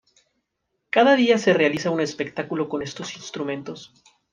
Cada día se realiza un espectáculo con estos instrumentos.